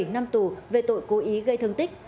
bảy năm tù về tội cố ý gây thương tích